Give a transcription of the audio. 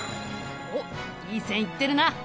おっいい線いってるな！